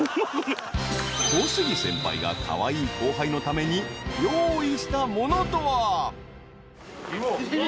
［小杉先輩がカワイイ後輩のために用意したものとは］